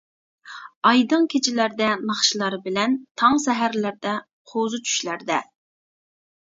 ئايدىڭ كېچىلەردە ناخشىلار بەلەن، تاڭ سەھەرلەردە، قوزا چۈشلەردە.